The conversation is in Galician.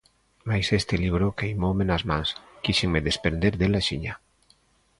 Mais este libro queimoume nas mans, quíxenme desprender del axiña.